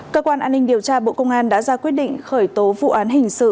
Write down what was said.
cơ quan an ninh điều tra bộ công an đã ra quyết định khởi tố vụ án hình sự